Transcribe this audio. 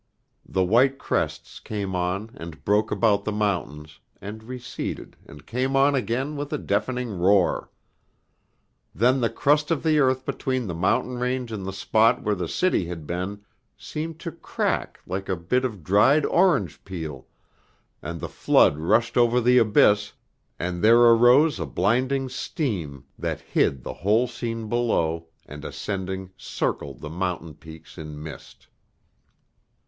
The white crests came on and broke about the mountains, and receded and came on again with a deafening roar. Then the crust of the earth between the mountain range and the spot where the city had been, seemed to crack like a bit of dried orange peel, and the flood rushed over the abyss, and there arose a blinding steam that hid the whole scene below, and ascending circled the mountain peaks in mist.